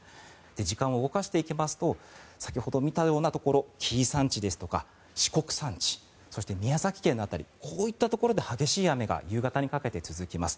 時間を動かしていきますと先ほど見たようなところ紀伊山地ですとか四国山地そして宮崎県の辺りこういったところで激しい雨が夕方にかけて続きます。